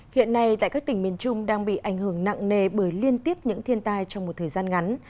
hiện nay tại các tỉnh miền trung đang bị ảnh hưởng nặng nề bởi liên tiếp những thiên tai trong một thời gian ngắn